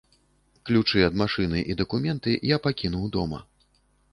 Ключы ад машыны і дакументы я пакінуў дома.